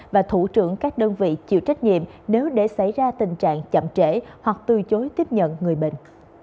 và thủ trưởng các đơn vị chịu trách nhiệm nếu để xảy ra tình trạng chậm trễ hoặc từ chối tiếp nhận người bệnh